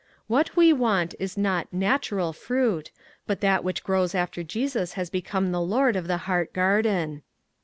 " What we want is not " natural " fruit, but that which grows after Jesus has become the Lord of the heart garden.